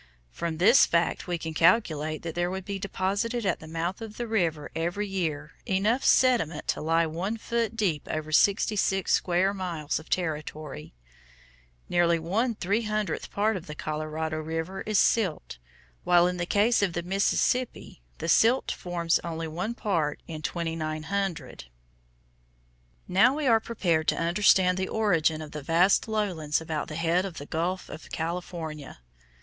From this fact we can calculate that there would be deposited at the mouth of the river every year, enough sediment to lie one foot deep over sixty six square miles of territory. Nearly one three hundredth part of the Colorado River water is silt, while in the case of the Mississippi the silt forms only one part in twenty nine hundred. [Illustration: FIG. 3. LOOKING TOWARD THE DELTA OF THE COLORADO FROM YUMA] Now we are prepared to understand the origin of the vast lowlands about the head of the Gulf of California.